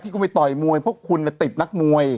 ที่ผมไปต่อยมวยเพราะคุณไปติดนักมวย